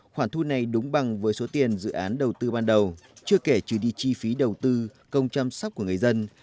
khoản thu này đúng bằng với số tiền dự án đầu tư ban đầu chưa kể trừ đi chi phí đầu tư công chăm sóc của người dân